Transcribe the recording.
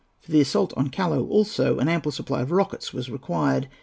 For the assault on Callao, also, an ample supply of rockets was required.